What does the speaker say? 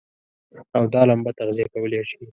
او دا لمبه تغذيه کولای شي.